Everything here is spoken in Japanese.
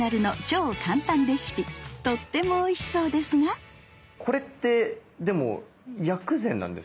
とってもおいしそうですがこれってでも薬膳なんですか？